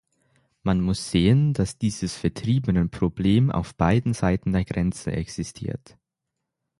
Man muss sehen, dass dieses Vertriebenenproblem auf beiden Seiten der Grenze existiert.